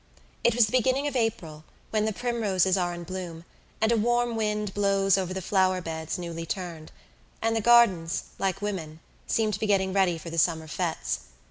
It was the beginning of April, when the primroses are in bloom, and a warm wind blows over the flower beds newly turned, and the gardens, like women, seem to be getting ready for the summer fetes.